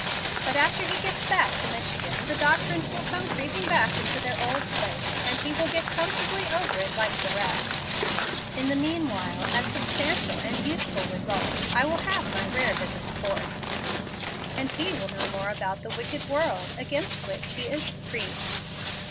But after he gets back to Michigan, the doctrines will come creeping back into their old place, and he will get comfortably over it like the rest. In the mean while, as substantial and useful results, I will have my rare bit of sport, and he will know more about the wicked world against which he is to preach.